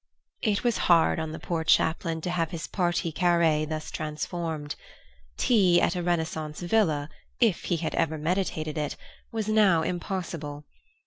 It was hard on the poor chaplain to have his partie carrée thus transformed. Tea at a Renaissance villa, if he had ever meditated it, was now impossible.